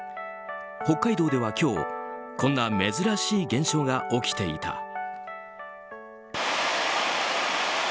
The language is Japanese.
北海道では今日こんな珍しい現象が起きていた。